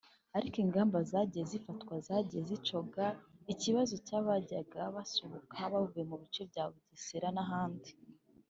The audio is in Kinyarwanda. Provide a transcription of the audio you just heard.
ariko ingamba zagiye zifatwa zagiye zicogoza ikibazo cy’abajyaga basuhuka bavuye mu bice bya Bugesera n’ahandi